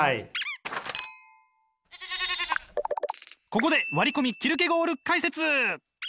ここで割り込みキルケゴール解説！